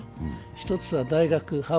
一つは大学。